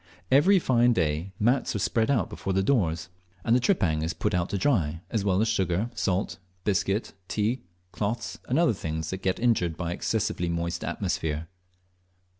Every fine day mats are spread before the doors and the tripang is put out to dry, as well as sugar, salt, biscuit, tea, cloths, and other things that get injured by an excessively moist atmosphere.